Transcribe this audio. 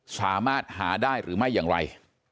สามารถหาได้หรือไม่อย่างไร